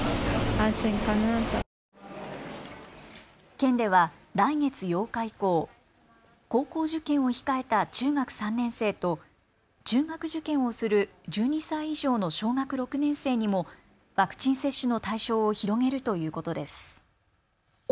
県では来月８日以降、高校受験を控えた中学３年生と中学受験をする１２歳以上の小学６年生にもワクチン接種の対象を広げるということです。